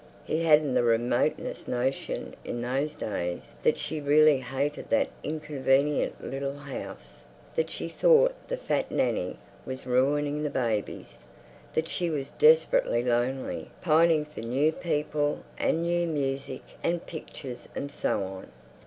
He hadn't the remotest notion in those days that she really hated that inconvenient little house, that she thought the fat Nanny was ruining the babies, that she was desperately lonely, pining for new people and new music and pictures and so on.